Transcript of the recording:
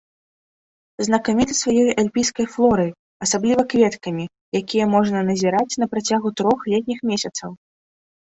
Знакаміты сваёй альпійскай флорай, асабліва кветкамі, якія можна назіраць на працягу трох летніх месяцаў.